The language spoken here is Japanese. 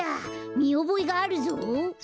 みおぼえがあるぞ！